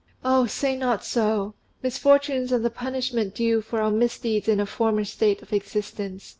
"Oh, say not so: misfortunes are the punishment due for our misdeeds in a former state of existence.